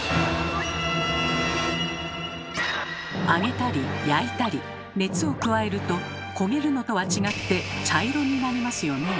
揚げたり焼いたり熱を加えると焦げるのとは違って茶色になりますよね。